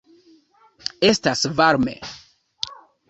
Estas varme.